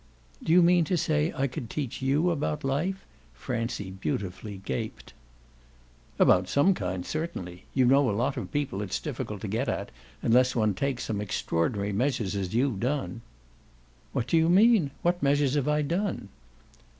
"Do you mean to say I could teach you about life?" Francie beautifully gaped. "About some kinds certainly. You know a lot of people it's difficult to get at unless one takes some extraordinary measures, as you've done." "What do you mean? What measures have I done?"